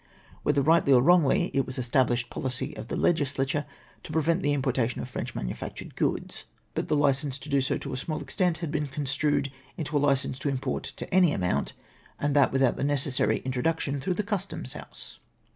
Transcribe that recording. Whether rightly or wrongly, it was the established policy of the legislature to prcYcnt the importation of French manufactured goods, but the licence to do so to a small extent had been construed into a licence to import to any amount, and that with out the necessary introduction through the Custom house.